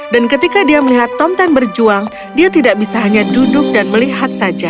dan ketika dia melihat tomten berjuang dia tidak bisa hanya duduk dan melihat saja